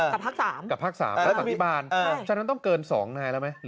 ภูทรภักดิ์๓น่ะภูทรภักดิ์๓ภูทรภักดิบานจากนั้นต้องเกิน๒นายแล้วไหม